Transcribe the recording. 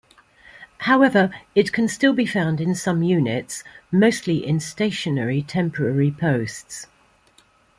However, it can still be found in some units, mostly in stationary temporary posts.